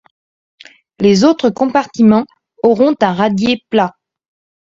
Les autres compartiments auront un radier plat.